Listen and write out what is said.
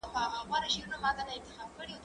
الله ج دي احسان درسره وکړي